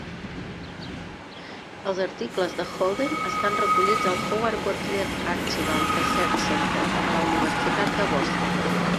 Els articles de Holden estan recollits al Howard Gotlieb Archival Research Center, a la Universitat de Boston.